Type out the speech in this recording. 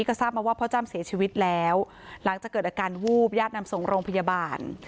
ก็ทราบมาว่าพ่อจ้ำเสียชีวิตแล้วหลังจากเกิดอาการวูบญาตินำส่งโรงพยาบาล